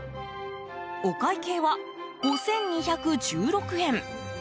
お会計は５２１６円。